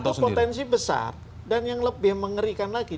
itu potensi besar dan yang lebih mengerikan lagi